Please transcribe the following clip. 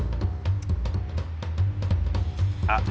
あっ。